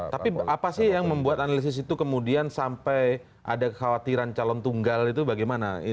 tapi apa sih yang membuat analisis itu kemudian sampai ada kekhawatiran calon tunggal itu bagaimana